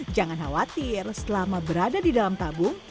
jangan khawatir selama berada di dalam tabung